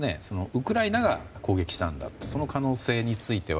ウクライナが攻撃したんだというその可能性については？